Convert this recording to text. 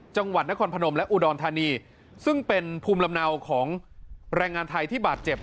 จังหวัดนครพนมและอุดรธานีซึ่งเป็นภูมิลำเนาของแรงงานไทยที่บาดเจ็บ